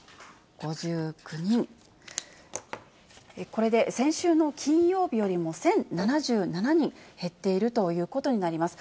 これで先週の金曜日よりも１０７７人減っているということになります。